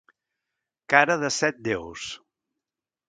Cara de set déus.